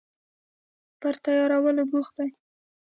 پر تیارولو بوخت دي